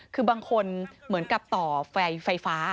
คือบางคนเหมือนกับต่อไฟฟ้า